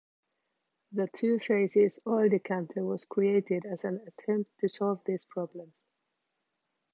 The two phases oil decanter was created as an attempt to solve these problems.